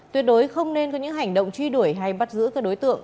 tuyệt đối không nên có những hành động truy đuổi hay bắt giữ các đối tượng